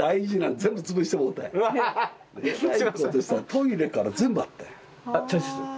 トイレから全部あったんや。